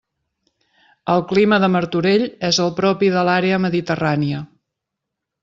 El clima de Martorell és el propi de l'àrea mediterrània.